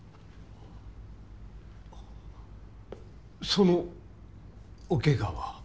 そのお怪我は？